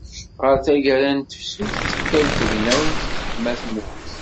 Γer taggara n tefsut, tekkaw tegnawt, teḥma tmurt.